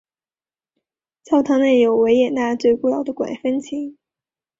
教堂内有维也纳最古老的管风琴。